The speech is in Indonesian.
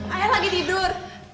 ayah lagi tidur